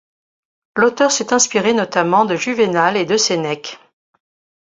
L'auteur s'est inspiré notamment de Juvénal et de Sénèque.